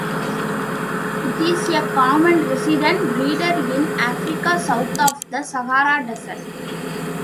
It is a common resident breeder in Africa south of the Sahara Desert.